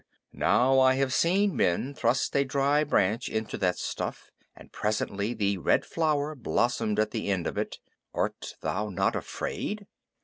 Now, I have seen men thrust a dry branch into that stuff, and presently the Red Flower blossomed at the end of it. Art thou not afraid?"